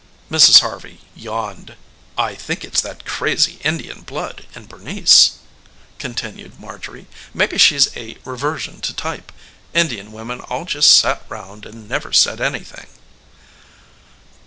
Mrs. Harvey yawned. "I think it's that crazy Indian blood in Bernice," continued Marjorie. "Maybe she's a reversion to type. Indian women all just sat round and never said anything."